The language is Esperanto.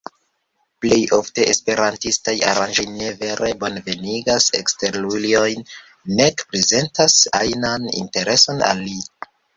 Plej ofte esperantistaj aranĝoj ne vere bonvenigas eksterulojn, nek prezentas ajnan intereson al ili.